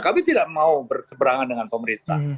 kami tidak mau berseberangan dengan pemerintah